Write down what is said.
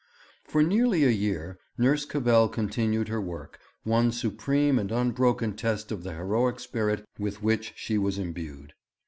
For nearly a whole year Nurse Cavell continued her work, one supreme and unbroken test of the heroic spirit with which she was imbued.